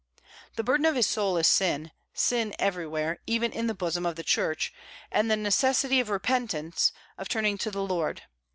The burden of his soul is sin, sin everywhere, even in the bosom of the Church, and the necessity of repentance, of turning to the Lord.